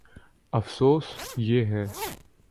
افسوس، یہ ہے۔